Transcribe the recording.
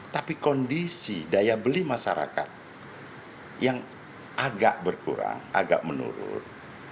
tapi kondisi daya beli masyarakat yang agak berkurang agak menurun